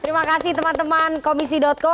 terima kasih teman teman komisi co